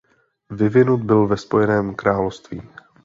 Vyvinut byl ve Spojeném království.